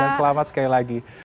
dan selamat sekali lagi